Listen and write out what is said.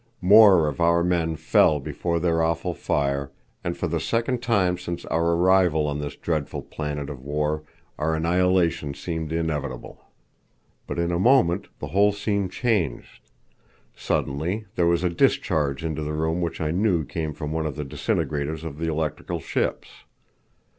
More of our men fell before their awful fire, and for the second time since our arrival on this dreadful planet of war our annihilation seemed inevitable. But in a moment the whole scene changed. Suddenly there was a discharge into the room which I knew came from one of the disintegrators of the electrical ships.